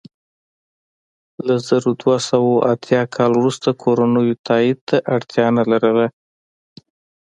له زر دوه سوه اتیا کال وروسته کورنیو تایید ته اړتیا نه لرله.